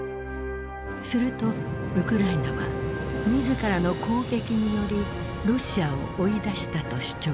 するとウクライナは自らの攻撃によりロシアを追い出したと主張。